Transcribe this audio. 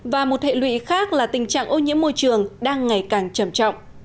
và một hệ lụy khác là tình trạng ô nhiễm môi trường đang ngày càng trầm trọng